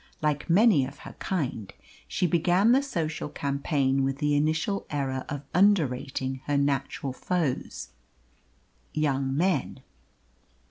Like many of her kind, she began the social campaign with the initial error of underrating her natural foes young men.